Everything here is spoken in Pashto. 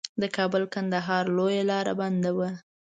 د کابل کندهار لویه لار بنده وه.